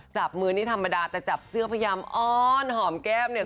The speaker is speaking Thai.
จับมือนี่ธรรมดาแต่จับเสื้อพยายามอ้อนหอมแก้มเนี่ย